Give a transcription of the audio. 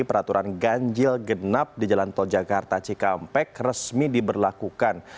peraturan ganjil genap di jalan tol jakarta cikampek resmi diberlakukan